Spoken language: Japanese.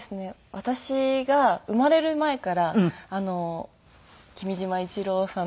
私が生まれる前から君島一郎さん